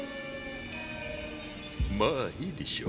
まあいいでしょう。